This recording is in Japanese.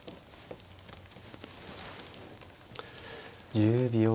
１０秒。